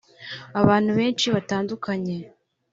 abantu benshi batandukanye